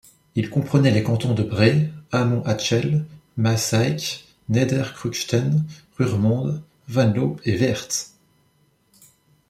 Il comprenait les cantons de Brée, Hamont-Achel, Maaseik, Nederkruchten, Ruremonde, Venlo et Weert.